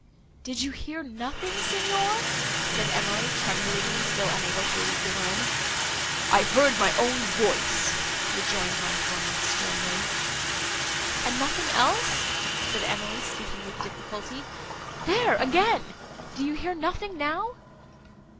"Did you hear nothing, Signor?" said Emily, trembling, and still unable to leave the room. "I heard my own voice," rejoined Montoni, sternly. "And nothing else?" said Emily, speaking with difficulty.—"There again! Do you hear nothing now?"